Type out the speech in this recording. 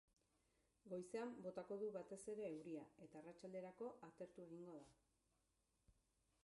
Goizean botako du batez ere euria, eta arratsalderako atertu egingo da.